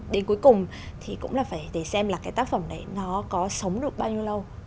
đến cuối cùng thì cũng là phải để xem là cái tác phẩm đấy nó có sống được bao nhiêu lâu